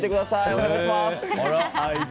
お願いします！